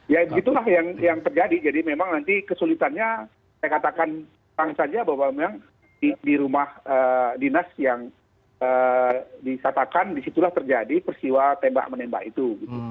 ya begitulah yang terjadi jadi memang nanti kesulitannya saya katakan saja bahwa memang di rumah dinas yang disatakan disitulah terjadi persiwa tembak menembak itu